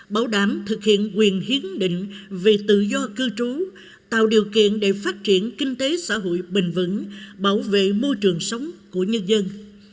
bảo đảm thực hiện quyền hiến định về tự do cư trú tạo điều kiện để phát triển kinh tế xã hội bình vững bảo vệ môi trường sống của nhân dân